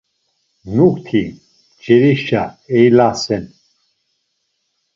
Mukti nç̌erişa eylasen.